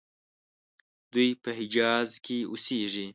دوی په حجاز کې اوسیږي.